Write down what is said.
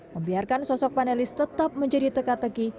membiarkan sosok panelis tetap menjadi teka teki